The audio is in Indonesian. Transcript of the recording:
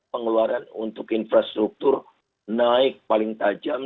pengeluaran untuk infrastruktur naik paling tajam